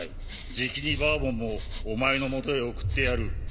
じきにバーボンもお前の元へ送ってやる。